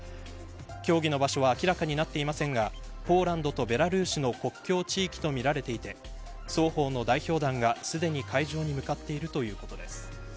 協議の場所は明らかになっていませんがポーランドとベラルーシの国境地域とみられていて双方の代表団がすでに会場に向かっているということです。